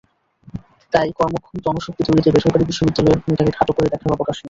তাই কর্মক্ষম জনশক্তি তৈরিতে বেসরকারি বিশ্ববিদ্যালয়গুলোর ভূমিকাকে খাটো করে দেখার অবকাশ নেই।